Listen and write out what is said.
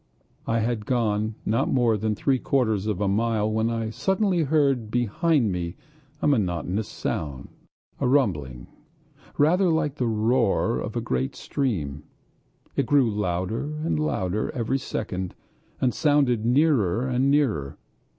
I had gone not more than three quarters of a mile when I suddenly heard behind me a monotonous sound, a rumbling, rather like the roar of a great stream. It grew louder and louder every second, and sounded nearer and nearer.